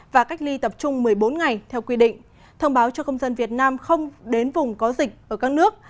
và cách ly tập trung một mươi bốn ngày theo quy định thông báo cho công dân việt nam không đến vùng có dịch ở các nước